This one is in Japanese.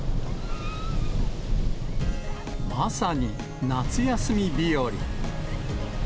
まさに夏休み日和。